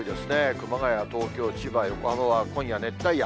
熊谷、東京、千葉、横浜は今夜熱帯夜。